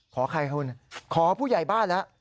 ขอใครคุณขอผู้ใหญ่บ้านแล้ว